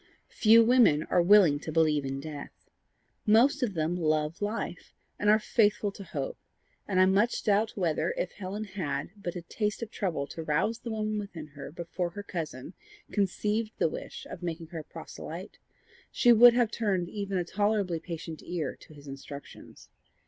Few women are willing to believe in death. Most of them love life, and are faithful to hope; and I much doubt whether, if Helen had but had a taste of trouble to rouse the woman within her before her cousin conceived the wish of making her a proselyte, she would have turned even a tolerably patient ear to his instructions.